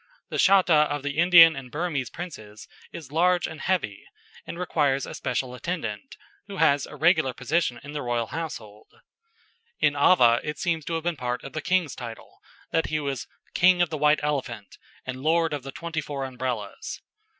The cháta of the Indian and Burmese princes is large and heavy, and requires a special attendant, who has a regular position in the royal household. In Ava it seems to have been part of the king's title, that he was "King of the white elephant, and Lord of the twenty four Umbrellas."